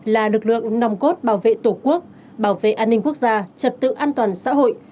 là lực lượng nòng cốt bảo vệ tổ quốc bảo vệ an ninh quốc gia trật tự an toàn xã hội